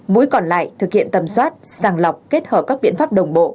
mũi còn lại thực hiện tầm soát sàng lọc kết hợp các biện pháp đồng bộ